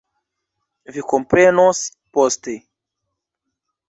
Vi komprenos poste.